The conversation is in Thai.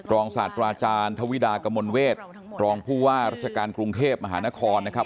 ศาสตราอาจารย์ทวิดากมลเวทรองผู้ว่าราชการกรุงเทพมหานครนะครับ